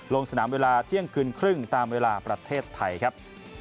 ลงสนามเวลาเที่ยงคืนครึ่งตามเวลาประเทศไทยครับ